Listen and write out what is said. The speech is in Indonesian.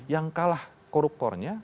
yang kalah koruptornya